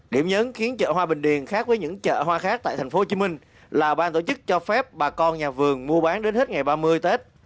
điểm nhấn khiến chợ hoa bình điền khác với những chợ hoa khác tại tp hcm là ban tổ chức cho phép bà con nhà vườn mua bán đến hết ngày ba mươi tết